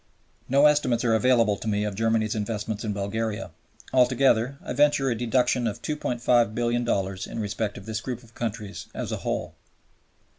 No estimates are available to me of Germany's investments in Bulgaria. Altogether I venture a deduction of $2,500,000,000 in respect of this group of countries as a whole.